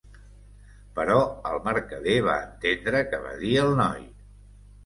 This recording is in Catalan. Però el mercader va entendre què va dir el noi.